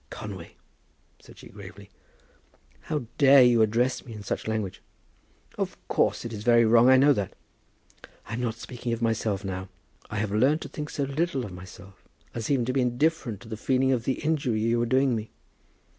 "Conway," said she, gravely, "how dare you address me in such language?" "Of course it is very wrong; I know that." "I'm not speaking of myself, now. I have learned to think so little of myself, as even to be indifferent to the feeling of the injury you are doing me.